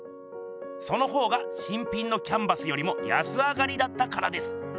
その方が新品のキャンバスよりも安上がりだったからです。